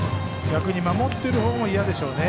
逆に守っている方も嫌でしょうね。